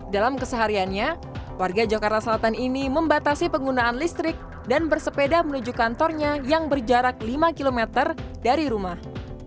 dalam kesehariannya warga jakarta selatan ini membatasi penggunaan listrik dan bersepeda menuju kantornya yang berjarak lima km dari rumah